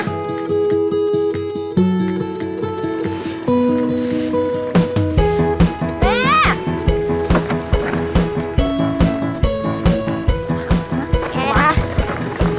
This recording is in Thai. แม่